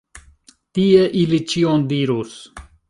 Tie ili ĉion dirus.